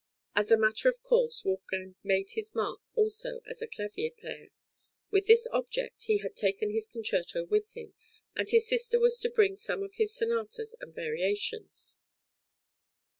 As a matter of course, Wolfgang made his mark also as a clavier player; with this object he had taken his concerto with him, and his sister was to bring some of his sonatas and variations.